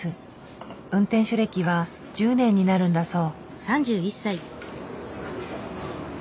運転手歴は１０年になるんだそう。